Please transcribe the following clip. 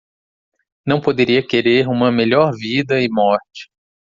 Não poderia querer uma melhor vida e morte.